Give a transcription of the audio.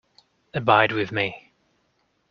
Abide with me.